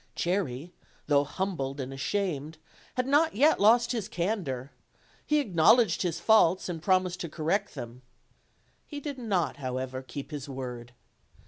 Cherry, though humbled and ashamed, had not yet lost his candor; he acknowledged his faults and promised to correct them: he did not, however, keep his word.